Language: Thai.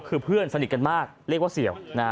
คือเพื่อนสนิทกันมากเรียกว่าเสี่ยว